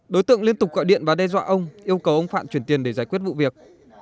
đối tượng liên tục gọi điện và đe dọa ông yêu cầu ông phạn chuyển tiền để giải quyết vụ việc